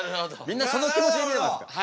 みんなその気持ちで見てますから。